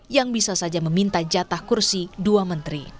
yang bisa saja meminta jatah kursi dua menteri